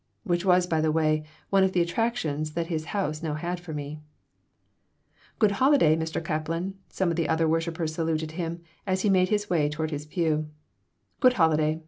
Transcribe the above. Which, by the way, was one of the attractions that his house now had for me "Good holiday, Mr. Kaplan!" some of the other worshipers saluted him, as he made his way toward his pew "Good holiday!